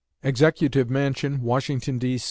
EXECUTIVE MANSION WASHINGTON, D.